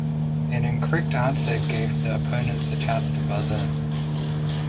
An incorrect answer gave the opponents a chance to buzz-in.